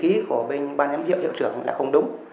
thứ ba là cái chữ ký của bên ban giám hiệu hiệu trưởng là không đúng